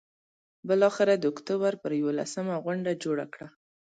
بالآخره د اکتوبر پر یوولسمه غونډه جوړه کړه.